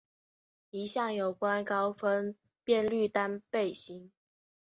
一项有关高分辨率单倍型。